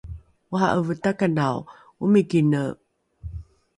ora’eve takanao omikine